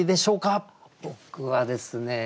僕はですね